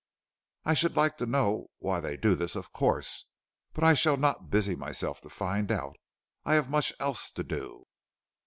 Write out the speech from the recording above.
"I should like to know why they do this, of course, but I shall not busy myself to find out. I have much else to do."